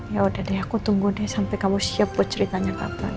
ya udah deh aku tunggu deh sampai kamu siap buat ceritanya kapan